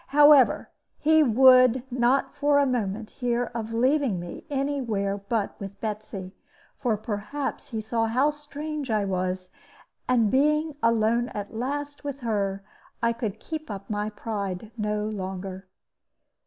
However, he would not for a moment hear of leaving me any where but with Betsy, for perhaps he saw how strange I was. And, being alone at last with her, I could keep up my pride no longer.